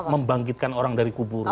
membangkitkan orang dari kubur